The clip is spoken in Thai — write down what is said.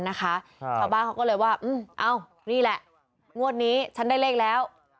ชาวบ้านเขาก็เลยว่าเอ้านี่แหละงวดนี้ฉันได้เลขแล้ว